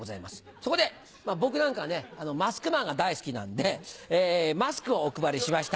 そこで僕なんかはねマスクマンが大好きなんでマスクをお配りしました。